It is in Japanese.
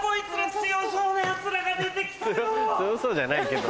強そうじゃないけど。